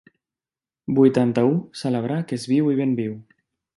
Vuitanta-u celebrar que és viu i ben viu.